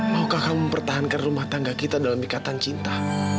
maukah kamu mempertahankan rumah tangga kita dalam ikatan cinta